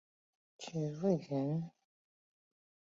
徐渭人。